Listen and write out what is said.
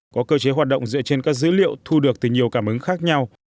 có cơ chế hoạt động dựa trên các dữ liệu thu được từ nhiều cảm ứng khác nhau